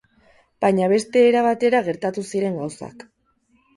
Baina beste era batera gertatu ziren gauzak.